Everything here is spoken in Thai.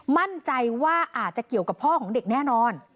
มั่นใจว่าอาจจะเกี่ยวกับพ่อของเด็กแน่นอน